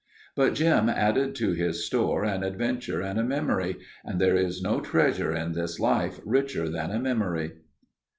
But Jim added to his store an adventure and a memory and there is no treasure in this life richer than a memory.